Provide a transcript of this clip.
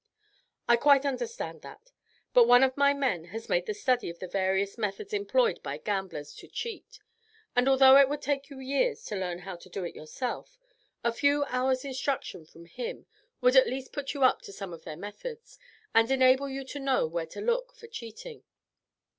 "I quite understand that; but one of my men has made a study of the various methods employed by gamblers to cheat, and although it would take you years to learn how to do it yourself, a few hours' instruction from him would at least put you up to some of their methods, and enable you to know where to look for cheating.